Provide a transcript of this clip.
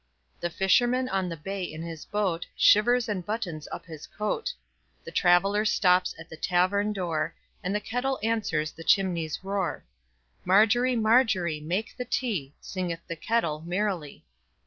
The fisherman on the bay in his boatShivers and buttons up his coat; The traveller stops at the tavern door, And the kettle answers the chimney's roar. Margery, Margery, make the tea, Singeth the kettle merrily.